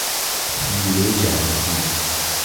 لولۀ جراحی